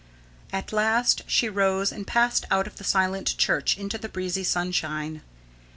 At last she rose and passed out of the silent church into the breezy sunshine.